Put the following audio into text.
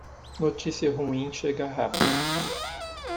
Notícia ruim chega rápido.